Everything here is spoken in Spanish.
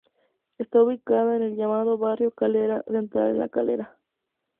Está ubicada en el llamado barrio Calera Central en La Calera.